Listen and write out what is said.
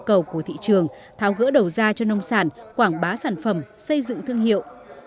nhu cầu của thị trường tháo gỡ đầu ra cho nông sản quảng bá sản phẩm xây dựng thương hiệu